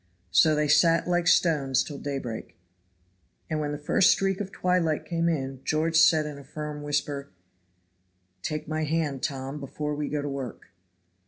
So they sat like stone till daybreak. And when the first streak of twilight came in, George said in a firm whisper: "Take my hand, Tom, before we go to work."